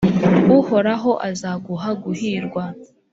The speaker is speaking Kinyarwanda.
uhoraho azaguha guhirwa,